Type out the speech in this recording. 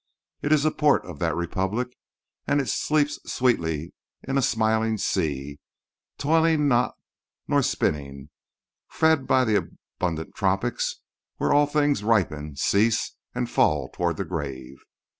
It is a port of that republic; and it sleeps sweetly in a smiling sea, toiling not nor spinning; fed by the abundant tropics where all things "ripen, cease and fall toward the grave."